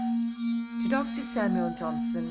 'To DR. SAMUEL JOHNSON.